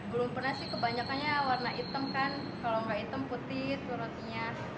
belum pernah sih kebanyakannya warna hitam kan kalau nggak hitam putih itu rotinya